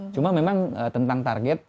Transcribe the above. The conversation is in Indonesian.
cuma memang tentang target